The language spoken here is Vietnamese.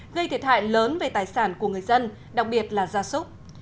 gây thiệt hại lớn về tài sản của người dân đặc biệt là gia súc